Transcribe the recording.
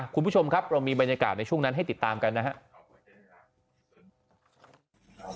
คุณผู้ชมครับเรามีบรรยากาศในช่วงนั้นให้ติดตามกันนะครับ